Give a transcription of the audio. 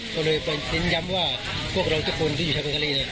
ก็เลยเป็นย้ำว่าพวกเราทุกคนที่อยู่ชาพันทะเลเนี่ย